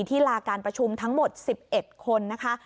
ลาการประชุมทั้งหมด๑๑คนนะคะ